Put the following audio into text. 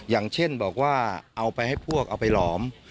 อย่างเช่นบอกว่าเอาไปให้พวกเอาไปหลอม